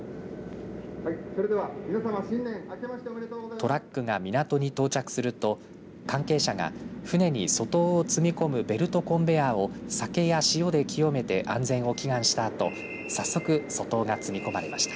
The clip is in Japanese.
トラックが港に到着すると関係者が船に粗糖を積み込むベルトコンベアーを酒や塩で清めて安全を祈願したあとさっそく粗糖が積み込まれました。